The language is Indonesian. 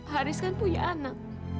haris kan punya anak